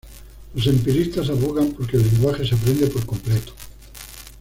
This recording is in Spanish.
Los empiristas abogan por que el lenguaje se aprende por completo.